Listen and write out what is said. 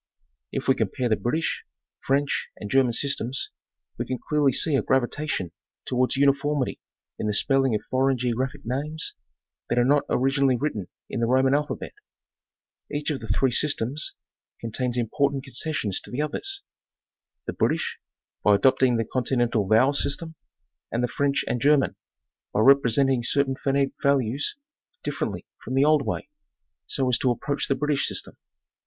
If we compare the British, French and German systems, we can clearly see a gravitation towards uniformity in the spelling of foreign geographic names that are not originally written in the Roman alphabet. Each of the three systems contains 1mpor tant concessions to the others ; the British, by adopting the con tinental vowel system, and the French and German, by represent ing certain phonetic values differently from the old way, so as to approach the British system.